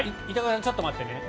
ちょっと待ってね。